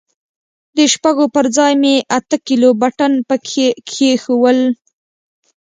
د شپږو پر ځاى مې اته کيلو پټن پکښې کښېښوول.